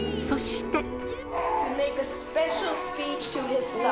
そして。